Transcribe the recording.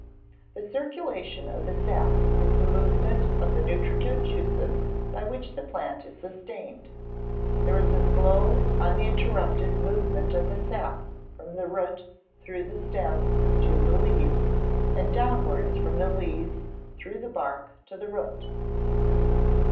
_ The circulation of the sap is the movement of the nutritive juices by which the plant is sustained. There is a slow uninterrupted movement of the sap from the root through the stems to the leaves, and downwards from the leaves through the bark to the root.